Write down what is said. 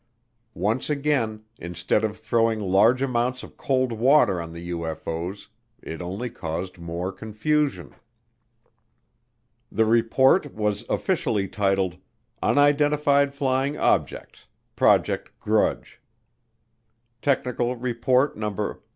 Once again, instead of throwing large amounts of cold water on the UFO's, it only caused more confusion. The report was officially titled "Unidentified Flying Objects Project Grudge," Technical Report No.